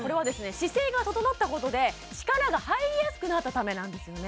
姿勢が整ったことで力が入りやすくなったためなんですよね